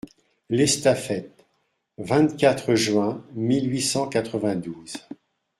L'ESTAFETTE, vingt-quatre juin mille huit cent quatre-vingt-douze.